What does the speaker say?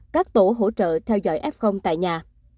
các tổ hỗ trợ theo dõi f tại nhà